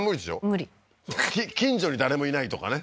無理近所に誰もいないとかね